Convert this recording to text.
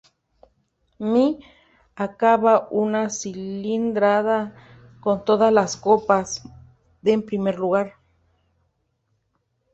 Mii: Acaba una cilindrada con todas las copas en primer lugar.